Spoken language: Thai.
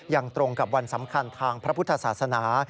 ยังตรงกับวันสำคัญทางพระพุทธศาสนา